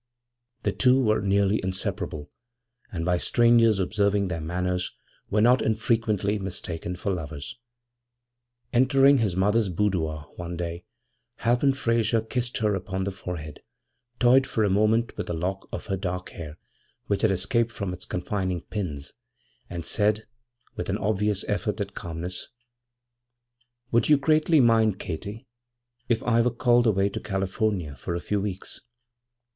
The two were nearly inseparable, and by strangers observing their manners were not infrequently mistaken for lovers. Entering his mother's boudoir one day Halpin Frayser kissed her upon the forehead, toyed for a moment with a lock of her dark hair which had escaped from its confining pins, and said, with an obvious effort at calmness: 'Would you greatly mind, Katy, if I were called away to California for a few weeks?'